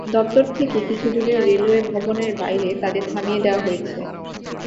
দপ্তর থেকে কিছু দূরে রেলওয়ে ভবনের বাইরে তাঁদের থামিয়ে দেওয়া হয়েছে।